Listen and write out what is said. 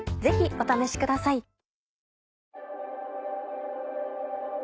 ぜひお試しください。